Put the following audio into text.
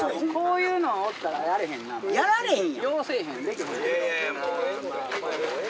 やられへんやん。